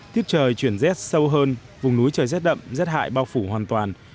tiếp trời chuyển z sâu hơn vùng núi trời z đậm z hại bao phủ hoàn toàn